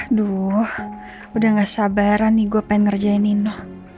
aduh udah gak sabaran nih gue pengen ngerjain nino